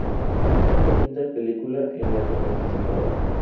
Fue la quinta película en la que participaba.